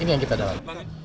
ini yang kita dapat